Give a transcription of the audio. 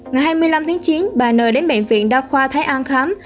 ngày hai mươi năm tháng chín bà nờ đến bệnh viện đa khoa thái an khám